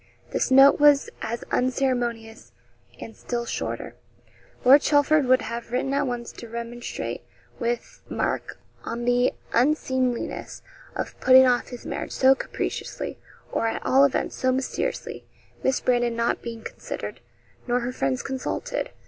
This note was as unceremonious, and still shorter. Lord Chelford would have written at once to remonstrate with Mark on the unseemliness of putting off his marriage so capriciously, or, at all events, so mysteriously Miss Brandon not being considered, nor her friends consulted.